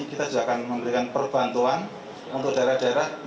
kita juga akan memberikan perbantuan untuk daerah daerah